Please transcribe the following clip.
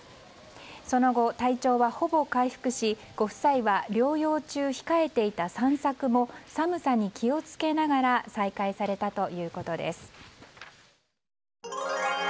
その後、体調はほぼ回復しご夫妻は療養中控えていた散策も、寒さに気を付けながら再開されたということです。